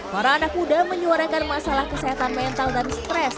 para anak muda menyuarakan masalah kesehatan mental dan stres